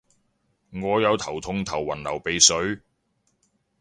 我有頭痛頭暈流鼻水